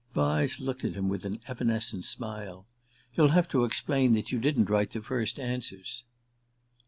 Vyse looked at him with an evanescent smile. "You'll have to explain that you didn't write the first answers."